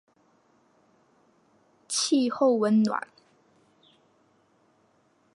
气候温暖。